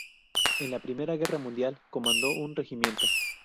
En la Primera Guerra Mundial comandó un regimiento.